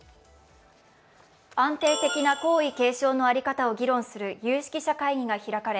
安定的な皇位継承の在り方を議論する有識者会議が開催され